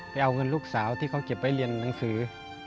ไปเอาเงินลูกสาวที่เขาเก็บไว้เรียนหนังสือ